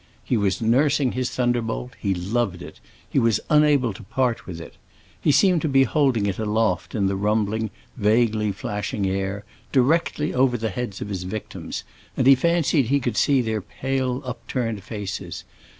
He was nursing his thunderbolt; he loved it; he was unwilling to part with it. He seemed to be holding it aloft in the rumbling, vaguely flashing air, directly over the heads of his victims, and he fancied he could see their pale, upturned faces.